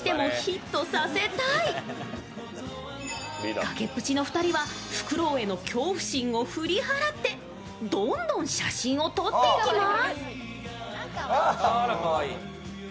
崖っぷちの２人はフクロウへの恐怖心を振り払ってどんどん写真を撮っていきます。